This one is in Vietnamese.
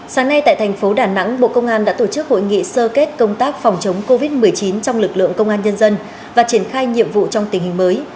sáng nay tại thành phố đà nẵng bộ công an đã tổ chức hội nghị sơ kết công tác phòng chống covid một mươi chín trong lực lượng công an nhân dân và triển khai nhiệm vụ trong tình hình mới